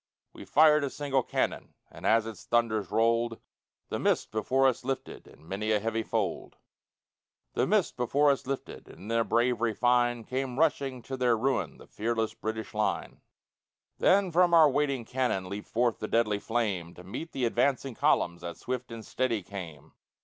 We fired a single cannon, And as its thunders rolled, The mist before us lifted In many a heavy fold The mist before us lifted And in their bravery fine Came rushing to their ruin The fearless British line. Then from our waiting cannon Leaped forth the deadly flame, To meet the advancing columns That swift and steady came.